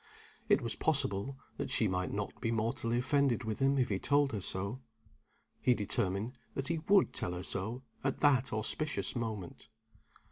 It was possible that she might not be mortally offended with him if he told her so. He determined that he would tell her so at that auspicious moment.